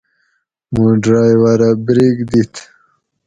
موں ڈرایٔورہ بریک دِت